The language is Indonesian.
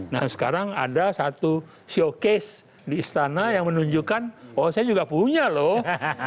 nah sekarang ada satu showcase di istana yang menunjukkan oh saya juga punya loh